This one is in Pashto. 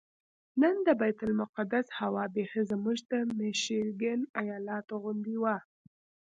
نن د بیت المقدس هوا بیخي زموږ د میشیګن ایالت غوندې وه.